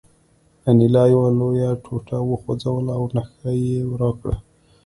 انیلا یوه لویه ټوټه وخوځوله او نښه یې راکړه